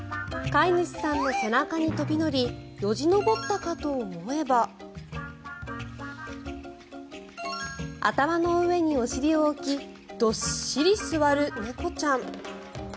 飼い主さんの背中に飛び乗り、よじ登ったかと思えば頭の上にお尻を置きどっしり座る猫ちゃん。